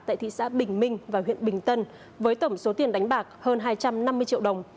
tại thị xã bình minh và huyện bình tân với tổng số tiền đánh bạc hơn hai trăm năm mươi triệu đồng